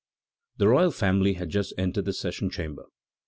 The royal family has just entered the session chamber.